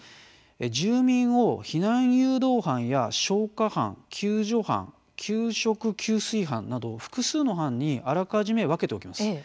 住民を避難誘導班や消火班救助班、給食給水班など複数の班にあらかじめ分けておきます。